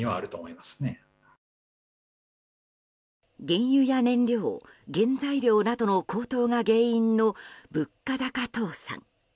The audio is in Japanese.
原油や燃料、原材料などの高騰が原因の物価高倒産。